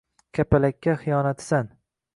kapalakka xiyonatisan.